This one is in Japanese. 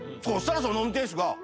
そしたらその運転手が。